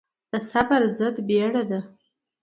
د صبر ضد بيړه ده.